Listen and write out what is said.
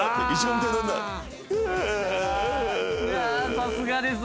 さすがです。